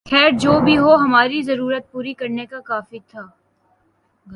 خیر جو بھی ہو ہماری ضرورت پوری کرنے کو کافی تھا